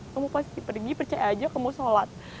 kamu pasti pergi percaya aja kamu sholat